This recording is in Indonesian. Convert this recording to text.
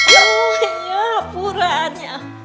ya ya puraannya